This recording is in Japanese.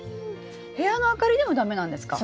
部屋の明かりでも駄目なんですか？